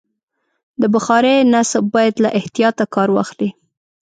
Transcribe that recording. د بخارۍ نصب باید له احتیاطه کار واخلي.